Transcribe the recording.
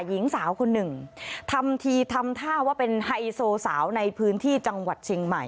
หญิงสาวคนหนึ่งทำทีทำท่าว่าเป็นไฮโซสาวในพื้นที่จังหวัดเชียงใหม่